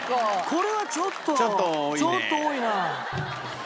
これはちょっとちょっと多いな。